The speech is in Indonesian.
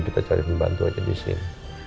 kita cari bantuan aja disini